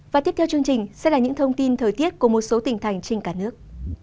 và tiếp theo chương trình sẽ là những thông tin thời tiết của một số tỉnh thành trên cả nước